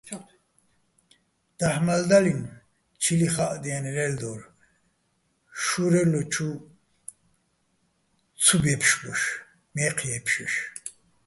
დაჰ̦ მალდალინო̆ ჩილიხა́ჸდიენო̆ ლელდორ, შურელო̆ ჩუ ცუ ბე́ფშბოშ, მაჲჴი̆ ჲე́ფშჲოშ.